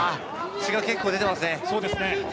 血が結構出てますね。